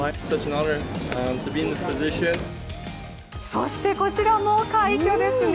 そしてこちらも快挙ですね。